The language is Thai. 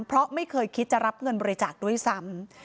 เพราะไม่เคยคิดจะรับเงินบริจาคด้วยซ้ำ